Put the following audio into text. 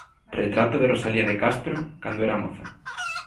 Retrato de Rosalía de Castro cando era moza.